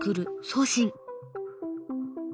送信。